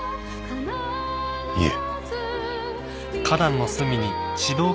いえ。